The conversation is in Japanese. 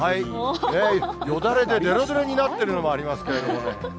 よだれででろでろになっているのもありますけれども。